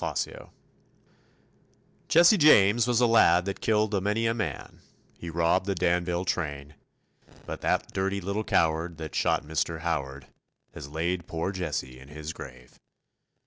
] JESSE JAMES Jesse James was a lad that killed a many a man; He robbed the Danville train. But that dirty little coward that shot Mr. Howard Has laid poor Jesse in his grave.